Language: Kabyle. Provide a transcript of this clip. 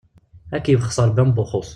Ad k-yebxes Ṛebbi am Buxus.